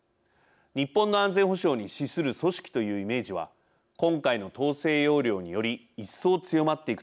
日本の安全保障に資する組織というイメージは今回の統制要領により一層強まっていくと思います。